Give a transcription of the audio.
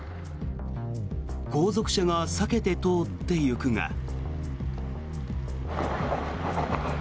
後続車が避けて通っていくが。